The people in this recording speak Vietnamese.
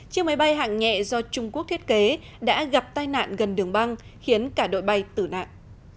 chiếc máy bay hạng nhẹ do trung quốc thiết kế đã gặp tai nạn gần đường băng khiến cả đội bay tử nạn